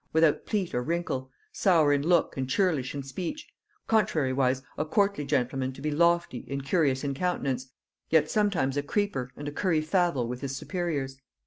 without plait or wrinkle, sour in look and churlish in speech; contrariwise a courtly gentleman to be lofty and curious in countenance, yet sometimes a creeper and a curry favell with his superiors."